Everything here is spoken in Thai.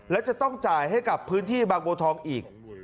และจะต้องจ่ายให้กับพื้นที่บางบัวทองอีก